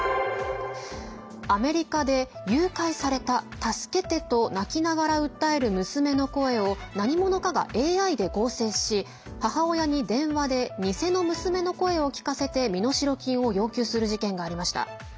アメリカで誘拐された、助けてと泣きながら訴える娘の声を何者かがＡＩで合成し母親に電話で偽の娘の声を聞かせて身代金を要求する事件がありました。